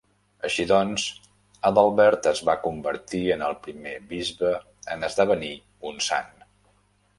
Així doncs, Adalbert es va convertir en el primer bisbe en esdevenir un Sant.